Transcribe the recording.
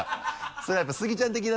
それはやっぱスギちゃん的なね？